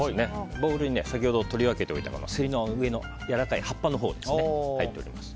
ボウルに先ほど取り分けておいたセリのやわらかい葉っぱのほうが入っています。